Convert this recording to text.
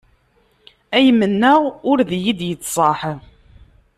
Ay mennaɣ ur d iyi-d-yettṣaḥ.